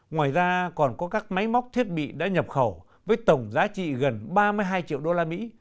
ngoài ra còn có các máy móc thiết bị đã nhập khẩu với tổng giá trị gần ba mươi hai triệu đô la mỹ